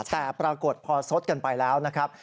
แต่ปรากฏพอสดกันไปแล้วนะครับ